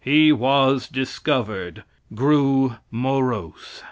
He was discovered grew morose.